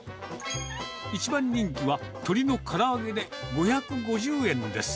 一番人気は、鶏のから揚げで５５０円です。